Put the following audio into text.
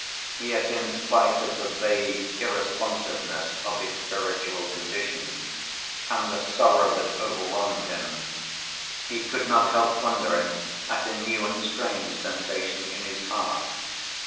Yet in spite of the vague irresponsiveness of his spiritual condition and the sorrow that overwhelmed him, he could not help wondering at a new and strange sensation in his heart.